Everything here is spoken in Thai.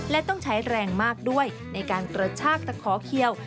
และต้องใช้แรงมากด้วยในการกระชากตะขอเขียว